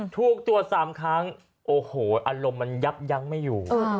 ถูกตรวจ๓ครั้งโอ้โหอารมณ์มันยับยั้งไม่อยู่